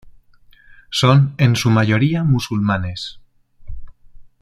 Son en su mayoría musulmanes.